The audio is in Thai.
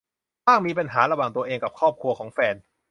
บ้างมีปัญหาระหว่างตัวเองกับครอบครัวของแฟน